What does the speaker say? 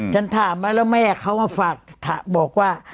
ฉันถามไว้แล้วแม่เขามาฝากบอกว่า